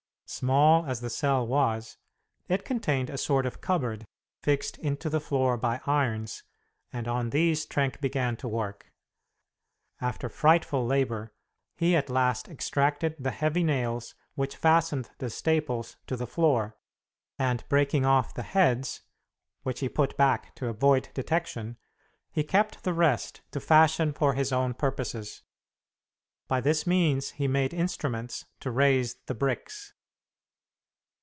Small as the cell was, it contained a sort of cupboard, fixed into the floor by irons, and on these Trenck began to work. After frightful labor, he at last extracted the heavy nails which fastened the staples to the floor, and breaking off the heads (which he put back to avoid detection), he kept the rest to fashion for his own purposes. By this means he made instruments to raise the bricks.